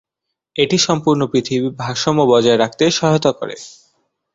এটি সম্পূর্ণ পৃথিবীর ভারসাম্য বজায় রাখতে সহায়তা করে।